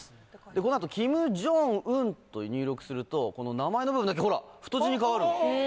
この後「金正恩」と入力するとこの名前の部分だけほら太字に変わる。